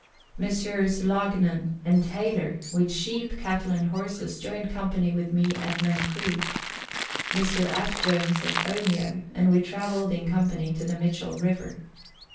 Messrs. Loughnan and Taylor, with sheep, cattle, and horses, joined company with me at Mancroo; Mr. F. Jones at Omeo; and we travelled in company to the Mitchell River.